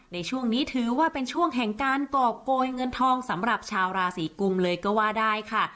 ในช่วงนี้ถือว่าเป็นช่วงแห่งการกรอบโกยเงินทองสำหรับชาวราศีกุมเลยก็ว่าได้ค่ะ